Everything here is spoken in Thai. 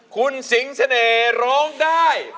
คุณสิงเสน่ห์ร้องได้